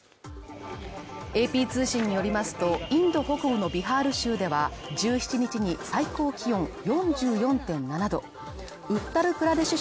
ＡＰ通信によりますと、インド北部のビハール州では１７日に最高気温４４．７度ウッタルプラデシュ